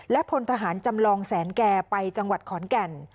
และพลทหารจำลองแสนแก่ไปจังหวัดขอนแก่น